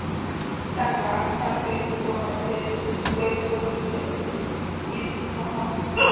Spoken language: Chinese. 但噶厦未恢复其呼图克图封号。